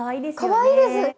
かわいいです！